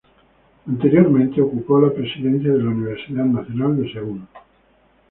Anteriormente ocupó la presidencia de la Universidad Nacional del Seúl.